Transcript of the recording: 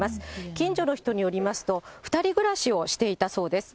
近所の人によりますと、２人暮らしをしていたそうです。